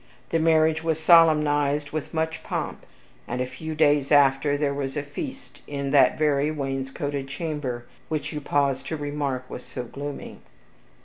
The marriage was solemnized with much pomp, and a few days after there was a feast in that very wainscoted chamber which you paused to remark was so gloomy.